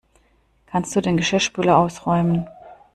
Kannst du den Geschirrspüler ausräumen?